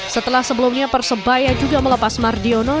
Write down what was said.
setelah sebelumnya persebaya juga melepas mardiono